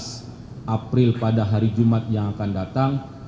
diselenggarakan tanggal sembilan belas april pada hari jumat yang akan datang